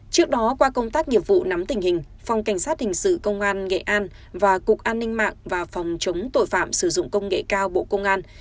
trước đó qua công tác nghiệp vụ nắm tình hình phòng cảnh sát hình sự công an nghệ an và cục an ninh mạng và phòng chống tội phạm sử dụng công nghệ cao bộ công an